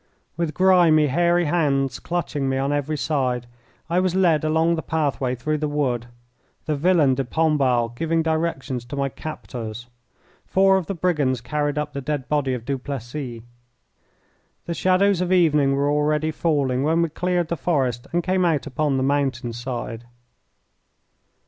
With grimy, hairy hands clutching me on every side I was led along the pathway through the wood, the villain de Pombal giving directions to my captors. Four of the brigands carried up the dead body of Duplessis. The shadows of evening were already falling when we cleared the forest and came out upon the mountain side.